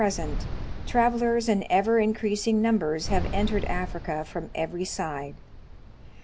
101 present, travelers in ever increasing numbers have entered Africa from every side.